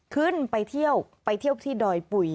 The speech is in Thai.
ขึ้นไปเที่ยวไปเที่ยวที่ดอยปุ๋ย